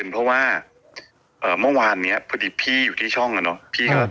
เพราะว่าเมื่อวานนี้พอดีพี่อยู่ที่ช่องอะเนาะ